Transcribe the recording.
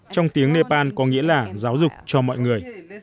trong tiếng nepal có nghĩa là giáo dục cho mọi người